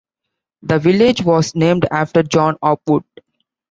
The village was named after John Hopwood.